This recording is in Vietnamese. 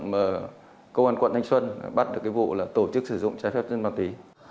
mà công an quận thanh xuân bắt được cái vụ là tổ chức sử dụng trái phép trên ma túy